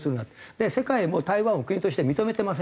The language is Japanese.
で世界も台湾を国として認めてませんよね。